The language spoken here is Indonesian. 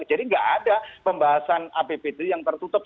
jadi nggak ada pembahasan apbd yang tertutup